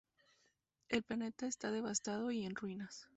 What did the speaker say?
El planeta está devastado y en ruinas.